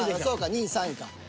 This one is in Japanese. そうか２位３位か。